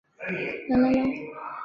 越南北部也有分布。